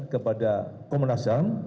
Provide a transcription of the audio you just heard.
kepada komunas ham